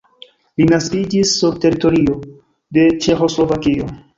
Li naskiĝis sur teritorio de Ĉeĥoslovakio.